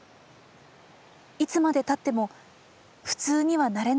いつまで経っても普通にはなれないです。